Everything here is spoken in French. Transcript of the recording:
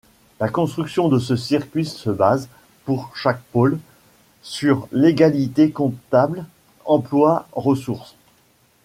La construction de ce circuit se base, pour chaque pôle, sur l'égalité comptable emplois=ressources.